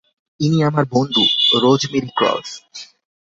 ইনি আমার বন্ধু, রোজমেরি ক্রস।